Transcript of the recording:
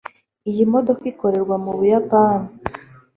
Iyi modoka ikorerwa mu Buyapani